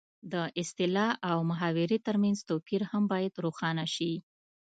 د اصطلاح او محاورې ترمنځ توپیر هم باید روښانه شي